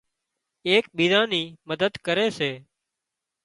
ايڪ ٻيزان ني مدد ڪري سي